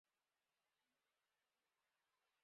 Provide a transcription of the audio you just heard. She helped Russia win gold ahead of the United States.